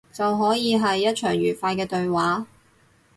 就可以係一場愉快嘅對話